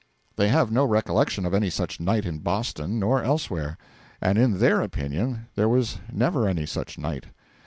They have no recollection of any such night in Boston, nor elsewhere; and in their opinion there was never any such night.